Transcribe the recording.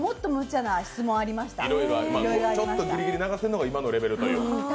ちょっとギリギリ流せるのが今の映像という。